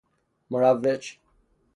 مروج